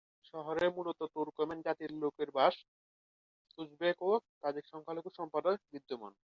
শহরে মূলত তুর্কমেন জাতির লোকের বাস; উজবেক ও তাজিক সংখ্যালঘু সম্প্রদায় বিদ্যমান।